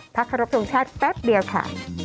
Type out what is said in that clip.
ขอรบทรงชาติแป๊บเดียวค่ะ